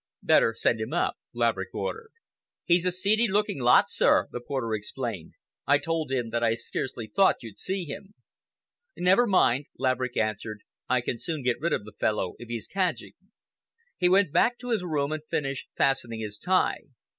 "Better send him up," Laverick ordered. "He's a seedy looking lot, sir," the porter explained "I told him that I scarcely thought you'd see him." "Never mind," Laverick answered. "I can soon get rid of the fellow if he's cadging." He went back to his room and finished fastening his tie.